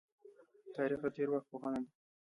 تاریخ د تیر وخت پوهنه ده